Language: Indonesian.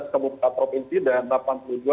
delapan belas kabupaten provinsi dan